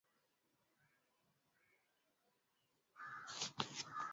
hadithi ilihusu mpenzi wa maisha yake kufa kwa hypothermia